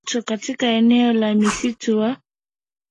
la majanga ya moto katika eneo la msitu wa